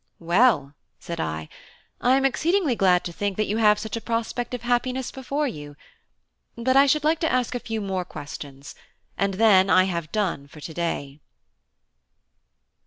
"Well," said I, "I am exceedingly glad to think that you have such a prospect of happiness before you. But I should like to ask a few more questions, and then I have done for to day."